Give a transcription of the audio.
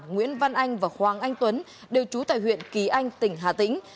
nguyễn văn anh và hoàng anh tuấn đều trú tại huyện kỳ anh tỉnh hà tĩnh